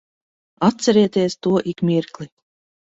Atcerieties to ik mirkli.